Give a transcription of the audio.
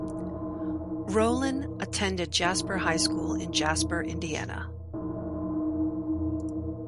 Rolen attended Jasper High School in Jasper, Indiana.